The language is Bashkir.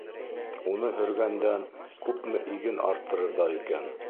Уны һөргәндән күпме иген арттырырҙар икән?